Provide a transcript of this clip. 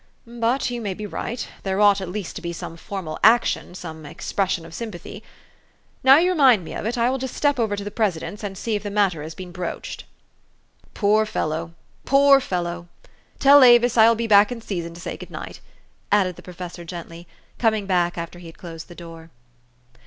But you may be right. There ought at least to be some formal action, some expression of sympathy. Now you remind me of it, I will just step over to the president's, and see if the matter has been broached." THE STORY OF AVIS. 155 u Poor fellow, poor fellow ! Tell Avis I will be bck in season to say good night," added the pro fessor gently, coming back after he had closed the door.